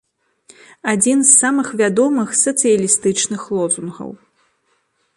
Адзін з самых вядомых сацыялістычных лозунгаў.